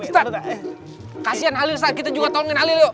ustadz kasian alil saat kita juga tolongin alil yuk